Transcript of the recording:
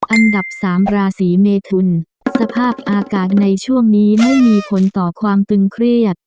อันดับสามราศีเมทุนสภาพอากาศในช่วงนี้ไม่มีผลต่อความตึงเครียด